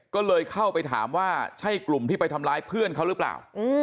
ก็เลยเข้าไปถามว่าใช่กลุ่มที่ไปทำร้ายเพื่อนเขาหรือเปล่า